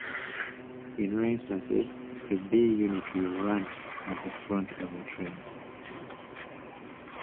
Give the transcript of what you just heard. In rare instances, a B unit will run at the front of a train.